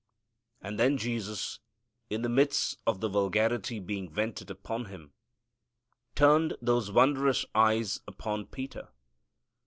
And then Jesus, in the midst of the vulgarity being vented upon Him, turned those wondrous eyes upon Peter.